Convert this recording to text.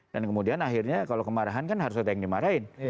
dan kemudian akhirnya kalau kemarahan kan harus ada yang dimarahin